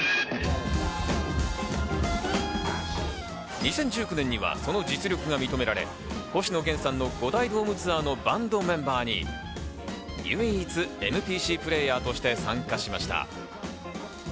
２０１９年にはその実力が認められ、星野源さんの５大ドームツアーのバンドメンバーに唯一、ＭＰＣプレーヤーとして参加しました。